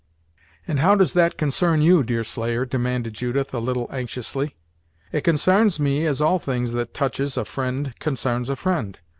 "And how does that concern you, Deerslayer?" demanded Judith, a little anxiously. "It consarns me, as all things that touches a fri'nd consarns a fri'nd.